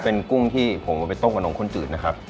เป็นกุ้งที่ผมเอาไปต้มกับนมข้นจืดนะครับ